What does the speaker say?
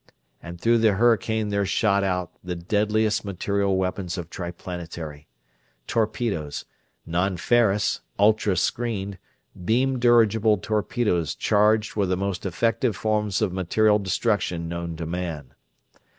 And through the hurricane there shot out the deadliest material weapons of Triplanetary. Torpedoes non ferrous, ultra screened, beam dirigible torpedoes charged with the most effective forms of material destruction known to man.